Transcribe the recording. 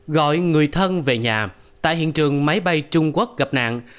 gọi người thân về nhà tại hiện trường máy bay trung quốc gặp nạn